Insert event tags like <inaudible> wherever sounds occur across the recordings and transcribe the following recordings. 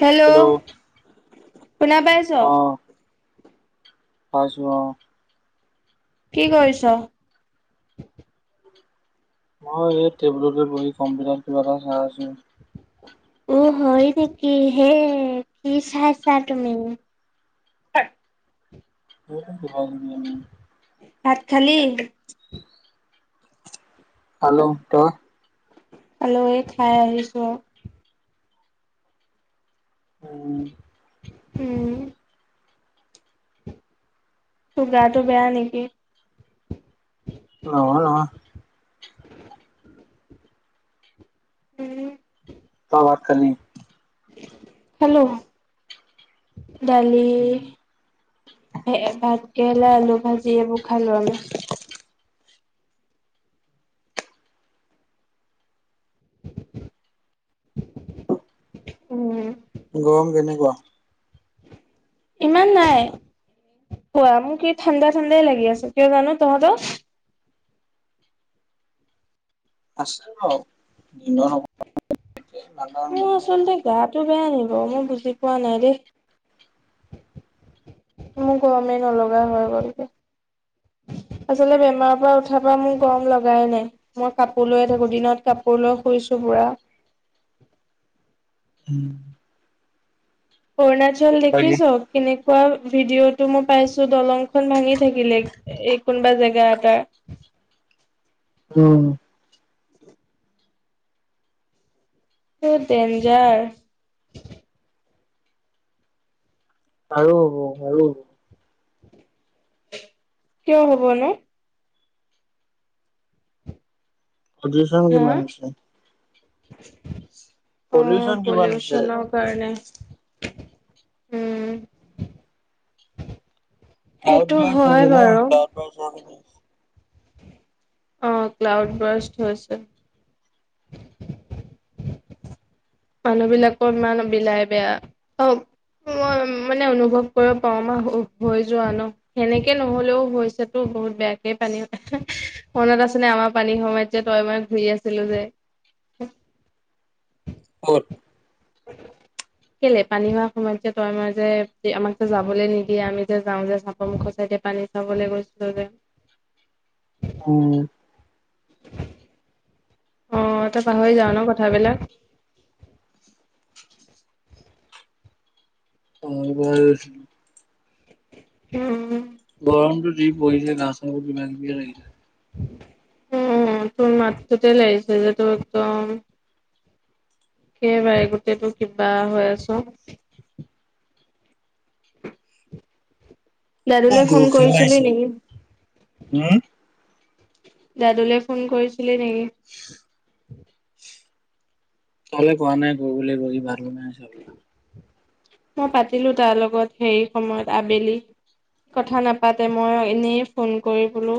Hello শুনা বাইছ? অ পাইছো অ'। কি কৰিছ? মই এই টেবুলতে বহি কম্পিউটাৰ কিবা এটা চাই আছো। উম, হয় নেকি হে কি চাইছা তুমি? তাত <inaudible> বহুতো কিবা- কিবি। ভাত খালি? খালোঁ, তই? খালোঁ, এই খাই আহিছো। উম। উম। তোৰ গাটো বেয়া নেকি? নহয় নহয়। উম। ত বাত খালি। খালো, দালি ভাতকে খা আলু ভাজি এইবোৰ খালো আমি। উম। গৰম কেনেকুৱা? ইমান নাই। কোৱা, মোক এই ঠাণ্ডা ঠাণ্ডাই লাগি আছে কিয় জানো। তহঁতৰ? আছে <inaudible> মোৰ অনুভৱ হোৱা নাই। আচলতে গাটো বেয়া নি বাও? মই বুজি পোৱা নাই দেই। মোৰ গৰমেই নলগা হৈ গ'লকে। আচলতে বেমাৰৰ পৰা উঠাৰ পৰা মোৰ গৰম লগাই নাই মই কাপোৰ লৈয়ে থাকো দিনত কাপোৰ। সৰুলৈ শুইছোঁ বুঢ়া। <inaudible> অৰুণাচল দেখিছ বাকী কেনে? কোৱা ভিডিঅ'টো মই পাইছো দলংখন ভাঙি থাকিলে এই কোনোবা জেগা এটা। <inaudible> উম। বৰ ডেঞ্জাৰ। আৰু আৰু কিয় হ'ব নো? অজ চ হা কিমান আনিছিলে? অ কিমান হৈছে? পলিউচনৰ কাৰণে উম। ক্লউত সেইটো বাছ হয় আছে ন বাৰু ক্লউত বাছ। অ ক্লাউড ব্ৰষ্ট হৈছে। মানুহবিলাকো ইমান বিলাই বেয়া অ। মই মানে অনুভৱ কৰিব পাৰো মা হ হৈ যোৱা ন সেনেকে নহলেও হৈছে তো বহুত বেয়াকে পানীও এহে। মনত আছেনে আমাৰ পানীৰ সময়ত যে তই মই ঘূৰি আছিলো যে? কত? <inaudible> কেলে, পানী হোৱা সময়ত যে তই মই যে আমাক যে যাবলৈ নিদিয়ে আমি যে যাওঁ যে চাপৰ মুখ চাই তে পানী চাবলৈ গৈছিলো যে? উম। অহ, তই পাহৰি যাও ন কথাবিলাক? <unintelligible> উম। গৰমটো দি পৰিছে <unintelligible> লাগিলে। উম, তোৰ মাতটোতে লাগিছে যে তোৰ একদম সেইবাই গোটেইটো কিবা হৈ আছো। মোৰ দাদুলৈ ফোন গৰু ঘিণ কৰিছিলি আহিছে নেকি? উম। দাদুলৈ ফোন কৰিছিলি নেকি? তলে কোৱা নাই গৈ বুলি <unintelligible> মই পাতিলো তাৰ লগত সেই সময়ত আবেলি। কথা নাপাতে, মই এনেই ফোন কৰি বোলো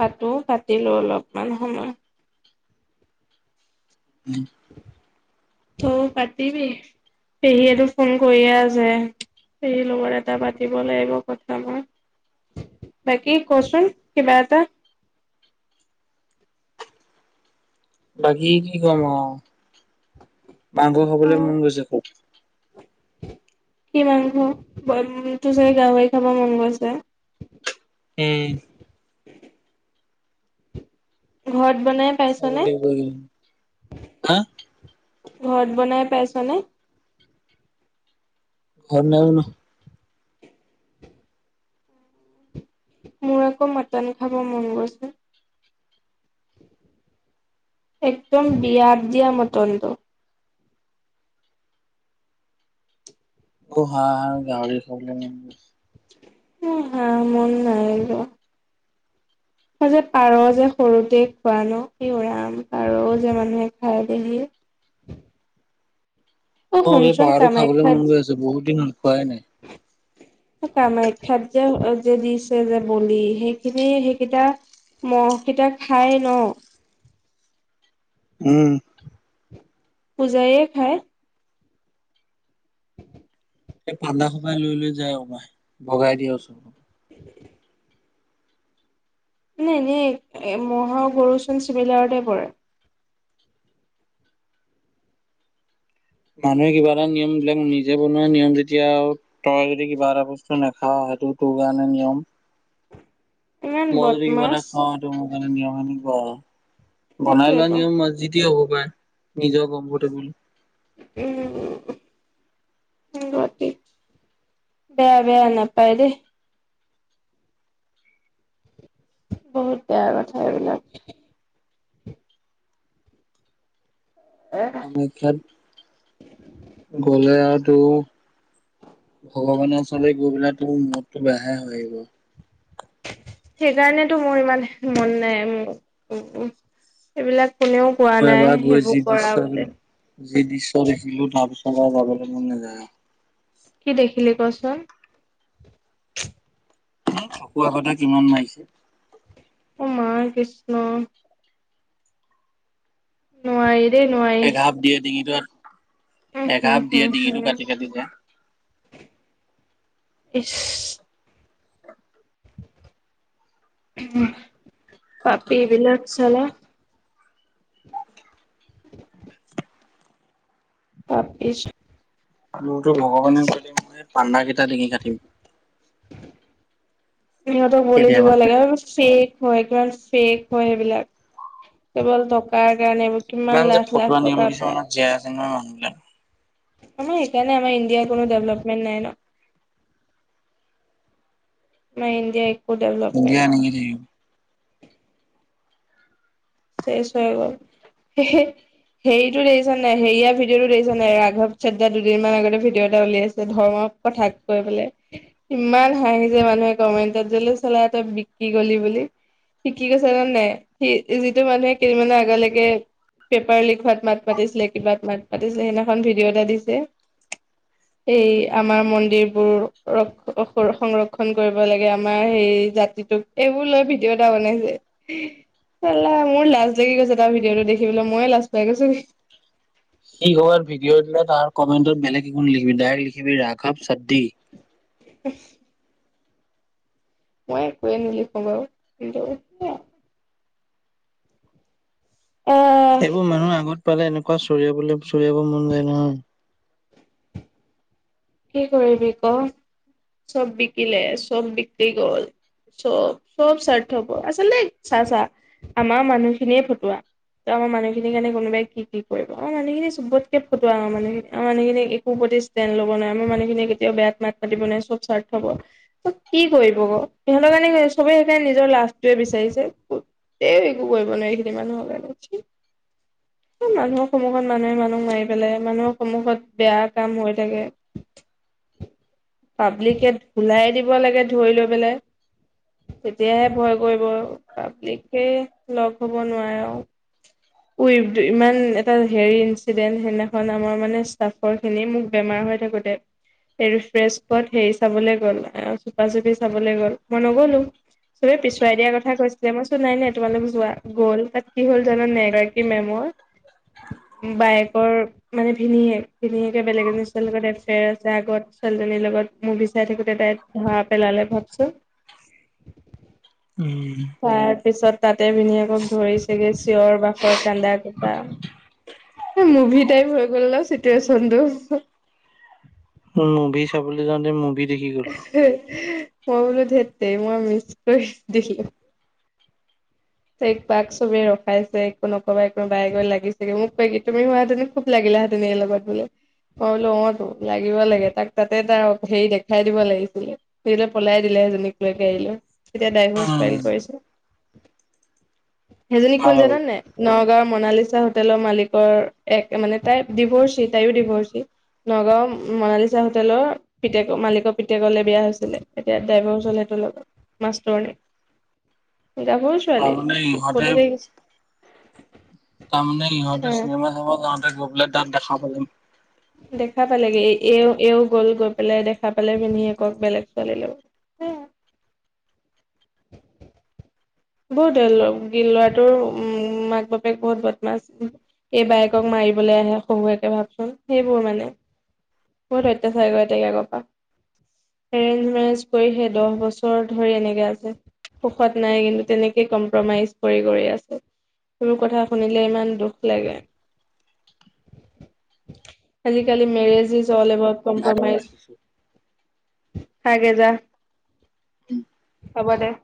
পাতো, পাতিলো অলপমান সময়। উম। উম পাতিবি, পেহীয়েতো ফোন কৰিয়ে আছে পেহী লগত এটা পাতিব লাগিব কথা মই বাকী কচোন কিবা এটা বাকী, কি কম আহ মাংস খাবলৈ অ', মন গৈছে খুব। কি মাংস, তোৰ চাগে গাহৰি খাব মন গৈছে? উম। ঘৰত বনাই খাব পাইছনে? লাগিব এইকেইদিন। হা ঘৰত বনাই পাইছা নে? ঘৰত নাইবনুৱা। মোৰ আকৌ মাটন খাব মন গৈছে একদম বিয়াত দিয়া মৰ্টন এইতো অ' হা! গাহৰি খাবলে মন গৈছে। উ হা! মন নাই যোৱা। মই যে পাৰ যে সৰুতেই খোৱা ন, <unintelligible> অ' এই শুনচোন পাহাৰটো খাবলৈ কামাখ্যাত মন গৈ আছে, বহুত দিন হ'ল খোৱাই নাই। কামাখ্যাত যে, যে দিছে যে বলি সেইখিনি সেইকেইটা মহ'কেইটা খাই ন? উম। পূজাৰীয়ে খায়। <unintelligible> মানে এনেই মহ-গৰু চোন চিবিলাৰতে পৰে। মানুহে কিবা এটা নিয়ম বিলাক নিজে বনোৱা নিয়ম যেতিয়া আও তই যদি কিবা এটা বস্তু নাখাৱ। সেইটো তোৰ কাৰণে নিয়ম। ইমান মই যদি কিবা বদমাছ নাখাওঁ সেইটো মো মানে নিয়ম এনেকুৱা বনাই লোৱা সেইটোৱেতো নিয়ম আ যিটি হ'ব পাৰে। নিজৰও কমফৰ্টেবল। বাকি বেয়া বেয়া নাপাই দে। বহুত বেয়া কথা এইবিলাক। এ কমাখ্যাত গ'লে আৰু টো ভগৱানৰ ওচৰলৈ গৈ পেল তো মৰততটো বোহে হৈ আহিব। সেইকাৰণেতটো মোৰ ইমান মন নাই উ এইবিলাক ম এবাৰ গৈ যি দৃশ্য যি দৃশ্য দেখিলো তাৰ পিছত। চ যাবলৈ মন যায়। কি দেখিলি কচোন? থক আ কথা কিমান মাৰিছে। মই কৃষ্ণ। নোৱাৰি। দেই নোৱাৰি এক হাপ দিয়ে ডিঙিটো উম এক হম হাপ দিয়ে হম ডিঙিটো হম কাটি কাটি যায়। ইচ। পাপি বিলাক চালা। তাপিছ মোৰতো ভগৱানে কৈলে মই পানা কেইটা ডিঙি কাটিম। সহঁতক বুলি দিব কেতিয়াবা। লাগে শে হয় কি ফেক হয় সেইবিলাক কেৱল টকাৰ। গান বা কিমান যে লাখ ফটুৱা লাখ নিয়ম টকাৰ পৰা। কিছুমানত জীয়াই <unintelligible> আমাৰ সেইকাৰণে আমাৰ ইণ্ডিয়াৰ কোনো ডেভেলপমেন্ট নাই ন? ইণ্ডিয়া। <unintelligible> এনেকেই থাকিব। চেছ হৈ গল হে হে। হেৰিটো দেখিছ নে নাই হেৰিয়া ভিডিঅ'টো দেখিছ নাই ৰাঘৱ চদ্দা দুদিনমান আগতে ভিডিঅ' এটা উলাইছে ধৰ্ম কথা কৈ পেলাই, ইমান হাঁহিছে মানুহে কমেন্টত যে চলা তই বিকি গলি বু বুলি, সি কি কৈছে জান নাই? সি যিটো মানুহে কেইদিনমানৰ আগলেকে পেপাৰ লিক হোৱাত মাত মাতিছিলে কিবাত মাত মাতিছিলে সেইদিনাখন ভিডিঅ' এটা দিছে সেই আমাৰ মন্দিৰবোৰ ৰ সংৰক্ষণ কৰিব লাগে আমাৰ সেই জাতি টোক এইবোৰ লৈ ভিডিঅ' এটা বনাইছে লা মোৰ লাজ লাগি গৈছে তাৰ ভিডিঅ'টো দেখিবলে ময়ে লাজ পায় গৈছোগে। সি কৰবাত ভিডিঅ' দিলে তাৰ কমেণ্টত বেলেগ একো নিলিখিবি ডাইৰেক্ট লিখিবি ৰাঘৱ চাদ্দি। <inaudible> মই একোৱে নিলিখোঁ বাৰু কিন্তু <inaudible> সেইবোৰ মানুহ আগত পালে এনেকুৱা চৰিয়াবলে চৰিয়াব মন যায় নহয়। কি কৰিবি ক সব বিকিলে, সব বিক্ৰী গল। সব সব স্বাৰ্থপৰ আচলতে চা চা আমাৰ মানুহখিনিয়ে ফটোৱা। ত আমাৰ মানুহখিনিৰ কাৰণে কোনোবাই কি কি কৰিব? আমাৰ মানুহখিনয়ে সবতকে ফটোৱা মানুখিনি মানুহখিনিক একো <unintelligible> আমাৰ মানুহখিনিয়ে কেতিয়াও বেয়াত মাত মাতিব নোৱাৰে সব স্বাৰ্থপৰ। ত কি কৰিব ক সিহঁতৰ কাৰণে সবেই সেইকাৰনে নিজৰ লাভটোৱে বিচাৰিছে। এই একো কৰিব নোৱাৰি এইখিনি মানুহলে চি। মানুহৰ সন্মুখত মানুহে মানুহ মাৰি পেলাই, মানুহৰ সন্মুখত বেয়া কাম হৈ থাকে পাব্লিকে ধোলাই দিব লাগে ধৰি লৈ পেলাই। তেতিয়াহে ভয় কৰিব, পাব্লিকে লগ হব নোৱাৰে আও। উই ইমান এটা হেৰি ইনিডেন্ট সিদিখন আমাৰ মানে ষ্টফৰ খিনি মোক বেমাৰ থাকোতে ৰিফ্ৰেছ কত হেৰি চাবলৈ গ'ল চুপা চুপি চাবলৈ গ'ল মই নগলো। চবে পিছুৱাই দিয়াৰ কথা কৈছিলে, মই চোন নাই নাই তোমালোক যোৱা গ'ল তাত কি হ'ল জানান নাই বাকী মেম বাইকৰ মানে ভিনিয়েক ভিনিয়েকে বেলেগ এজনী ছোৱলীৰ লগত এফেয়াৰ আছে আগত এজনীৰ লগত মুভি চাই থাকোতে তাই ধৰা পেলালে ভাবছো। উম তাৰ পিছত তাতে ভিনয়েক ধৰিছেগে চিঞৰ বাখৰ কান্দা কোটা মুভিটেই হৈ গল চিটোৱেচনটো মুভি চাবলৈ যাওঁতে মুভি দেখি গ'ল। মই বোলো ঢেত তেৰি মই মিচ কৰি দিলো। ত বাক চবে ৰখাইছে একো নকবা একো বায়ে গৈ লাগিছেগে মোক ক কি তুমি হোৱা হলে খুব লাগি লাগিলা হলে এই লগত বোলো মই বোলো অতো লাগিব লাগে তাক তাতে তাৰ হেৰি দেখাই দিব লাগিছিলে হেৰিলৈ পলাই দিলে এইজনীক লৈকে আহিলো তেতিয়া ড্ৰাইভ ফাইল উম, কৰিছে হেজনি ভাল কোন জনা হ'ল নাই? নগাঁওৰ মনালিচা হোটেলৰ মালিকৰ এক মানে তাই ডিভৰ্চি তাইও ডিভৰ্চি নগাঁও মনালিচা হোটেলৰ পিতেকৰ মালিকৰ পিতেকৰলে বিয়া হৈছিলে এতিয়া দাইভোচ ওচৰ গাভৰু ছোৱালী তাৰমানে ফটো ইহঁতে দেখিছে তাৰমানে সিহঁতে চিনেমা চাব যাওঁতে গৈ পেলাই তাত দেখা পালে দেখা পালেগে এ এও গ'ল গৈ পেলাই দেখা পালে ভিনিয়েকক বেলেগ ছোৱালী ল <unintelligible> বহুত গ লৰাটোৰ উম মাক বাপেক বহুত বদমাছ এই বায়েকক মা পলৈ আহে শহুয়েকে ভাবচোন সেইবোৰ মানে বহত অত্যাচাৰ কৰে তাইক আগৰ পৰা এৰেঞ্জ মেৰেঞ্জ কৰি সেই দহ বছৰ ধৰি এনেকে আছে সুখত নাই কিন্তু তেনেকে কম্প্ৰমাইজ কৰি কৰি আছে সেবোৰ কথা শুনিলে ইমান দুখ লাগে আজিকালি মেৰেজ ল এবউ ভাগৰ কম্প্ৰমাইজ ৰাখিছো। চাগে যা হ'ব দে